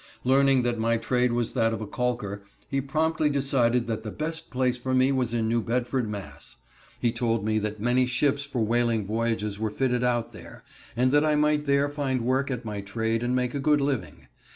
Learning that my trade was that of a calker, he promptly decided that the best place for me was in New Bedford, Mass. He told me that many ships for whaling voyages were fitted out there, and that I might there find work at my trade and make a good living.